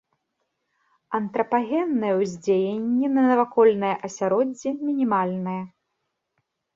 Антрапагеннае ўздзеянне на навакольнае асяроддзе мінімальнае.